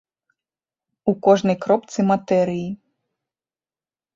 У кожнай кропцы матэрыі.